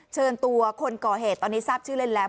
เชิญตัวคนก่อเหตุตอนนี้ทราบชื่อเล่นแล้ว